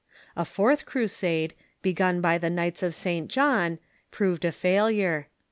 A fourth Crusade, begun by the Knights of St. John, proved a failure.